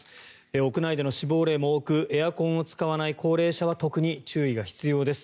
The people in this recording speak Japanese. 屋内での死亡例も多くエアコンを使わない高齢者は特に注意が必要です。